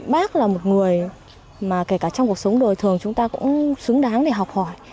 bác là một người mà kể cả trong cuộc sống đời thường chúng ta cũng xứng đáng để học hỏi